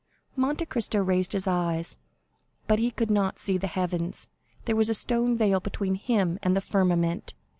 Monte Cristo raised his eyes, but he could not see the heavens; there was a stone veil between him and the firmament.